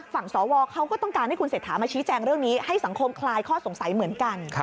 สวเขาก็ต้องการให้คุณเศรษฐามาชี้แจงเรื่องนี้ให้สังคมคลายข้อสงสัยเหมือนกัน